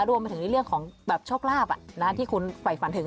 รวมมาถึงเรื่องของแบบโชคราบอะที่คุณไฝ่ฝันถึง